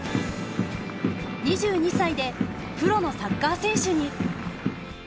２２歳でプロのサッカー選手に。